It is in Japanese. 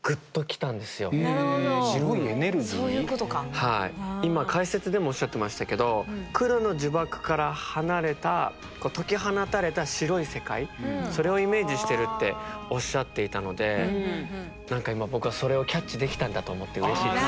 はい今解説でもおっしゃってましたけど黒の呪縛から離れた解き放たれた白い世界それをイメージしてるっておっしゃっていたので何か今僕はそれをキャッチできたんだと思ってうれしいです。